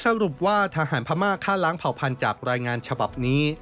สรุปว่าทหารพม่าฆ่าล้างเผ่าพันธุ์จากรายงานฉบับนี้